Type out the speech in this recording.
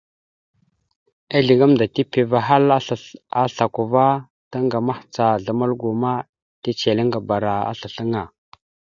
Izle gamnda tipiva ahal a slako ava, taŋga mahəca azlam algo ma, teceliŋ akabara aslasl aŋa.